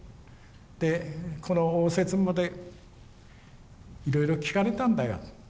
でこの応接間でいろいろ聞かれたんだよ。